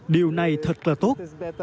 điều này thật là tốt